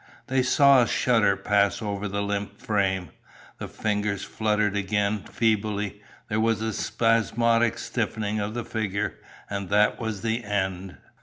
They saw a shudder pass over the limp frame. The fingers fluttered again feebly, there was a spasmodic stiffening of the figure and that was the end.